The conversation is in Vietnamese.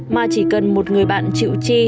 mà chỉ cần một người bạn chịu chi